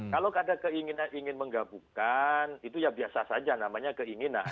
kalau ada keinginan ingin menggabungkan itu ya biasa saja namanya keinginan